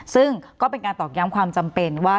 ซึ่งก็เป็นการตอกย้ำความจำเป็นว่า